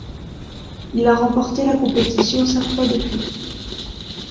Il a remporté la compétition cinq fois depuis.